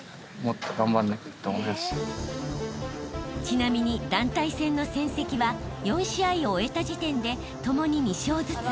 ［ちなみに団体戦の成績は４試合を終えた時点で共に２勝ずつ］